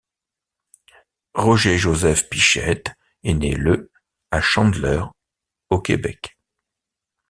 Roger Joseph Pichette est né le à Chandler, au Québec.